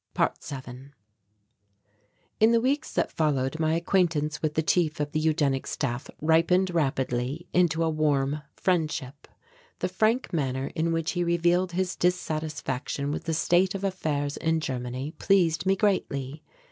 ~7~ In the weeks that followed, my acquaintance with the Chief of the Eugenic Staff ripened rapidly into a warm friendship. The frank manner in which he revealed his dissatisfaction with the state of affairs in Germany pleased me greatly.